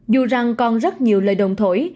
dù rằng còn rất nhiều lời đồng thổi